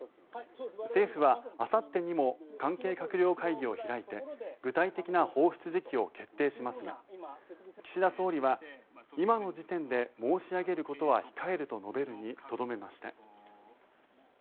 政府は、あさってにも関係閣僚会議を開いて具体的な放出時期を決定しますが岸田総理は今の時点で申し上げることは控えると述べるにとどめました。